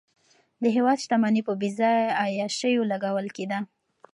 د هېواد شتمني په بېځایه عیاشیو لګول کېده.